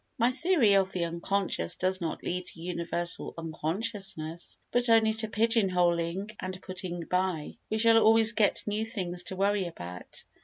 My theory of the unconscious does not lead to universal unconsciousness, but only to pigeon holing and putting by. We shall always get new things to worry about.